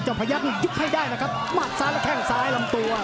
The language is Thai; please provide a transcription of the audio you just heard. พยักษ์นี่ยุบให้ได้นะครับหมัดซ้ายและแข้งซ้ายลำตัว